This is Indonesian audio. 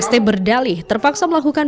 st berdalih terpaksa melakukan